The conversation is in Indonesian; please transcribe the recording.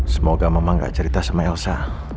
semoga mama gak cerita sama elsa